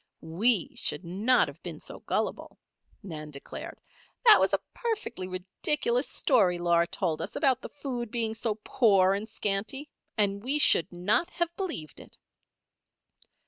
"We should not have been so gullible," Nan declared. "That was a perfectly ridiculous story Laura told us about the food being so poor and scanty, and we should not have believed it."